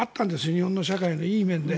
日本の社会のいい面で。